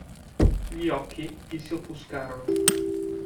Gli occhi gli si offuscarono.